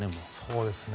そうですね。